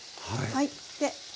はい。